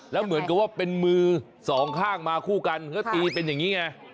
แล้วเหมือนกับว่าเป็นมือสองข้างมาคู่กันก็ตีเป็นอย่างนี้ไง